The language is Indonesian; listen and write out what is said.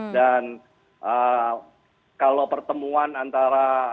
dan kalau pertemuan antara